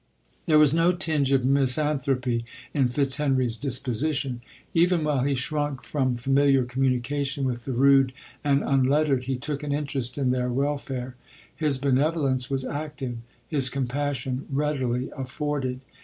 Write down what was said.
There was no tinge of misanthropy in Fitz henry 1 s disposition. Even while he shrunk from familiar communication with the rude and unlet tered, he took an interest in their welfare. His benevolence was active, his compassion readily afforded.